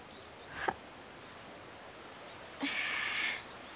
あっ！